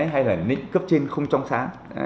hay là nịnh cấp trên không trăm sáng